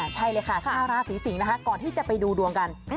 ใช่เลยค่ะชาวราศีสิงศ์นะคะก่อนที่จะไปดูดวงกัน